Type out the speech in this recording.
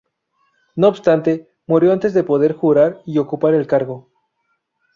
No obstante, murió antes de poder jurar y ocupar el cargo.